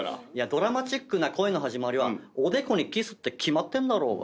ドラマチックな恋の始まりはおでこにキスって決まってんだろうが。